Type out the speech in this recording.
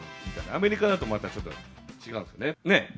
アメリカだとまたちょっと違うんですよね、ねえ？